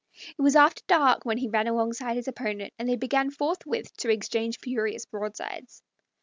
It was after dark when he ran alongside his opponent, and they began forthwith to exchange furious broadsides.